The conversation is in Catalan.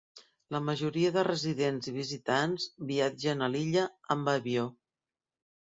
La majoria de residents i visitants viatgen a l'illa amb avió.